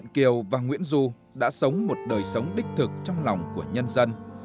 nguyễn du đã sống một đời sống đích thực trong lòng của nhân dân